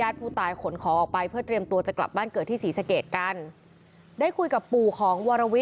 ไอ้ไอ้ไอ้ไอ้ไอ้ไอ้ไอ้ไอ้ไอ้ไอ้ไอ้